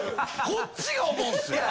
こっちが思うんっすよ。